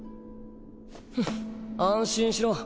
フン安心しろ。